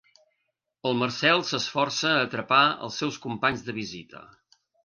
El Marcel s'esforça a atrapar els seus companys de visita.